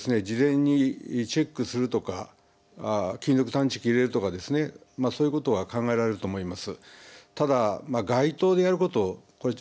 箱物などは事前にチェックするとか金属探知機を入れるとか、そういうことが考えられると思います。